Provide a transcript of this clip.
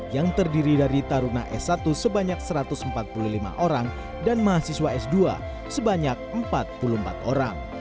yang terdiri dari taruna s satu sebanyak satu ratus empat puluh lima orang dan mahasiswa s dua sebanyak empat puluh empat orang